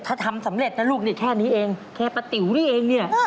ถ้าทำสำเร็จนะลูกนี่แค่นี้เองแค่ป้าติ๋วนี่เองเนี่ย